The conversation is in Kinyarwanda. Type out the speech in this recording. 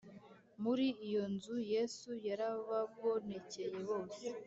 muri iyo nzu Yesu yarababonekeye bose